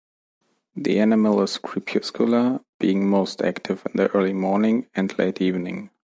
The animal is crepuscular, being most active in the early morning and late evening.